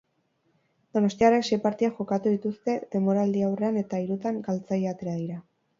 Donostiarrek sei partida jokatu dituzte denboraldiaurrean eta hirutan galtzaile atera dira.